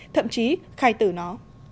thậm chí khai tử nó